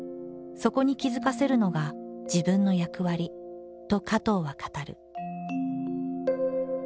そこに気付かせるのが自分の役割」と加藤は語る。